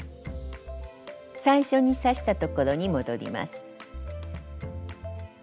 最初に刺したところに戻ります。